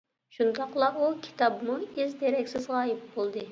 شۇنداقلا، ئۇ كىتابمۇ ئىز-دېرەكسىز غايىب بولدى.